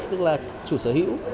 tức là chủ sở hữu